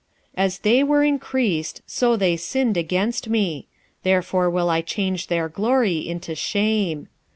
4:7 As they were increased, so they sinned against me: therefore will I change their glory into shame.